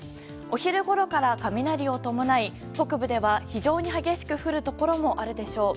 お昼ごろから雷を伴い北部では非常に激しく降るところもあるでしょう。